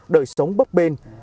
đời sống bấp bên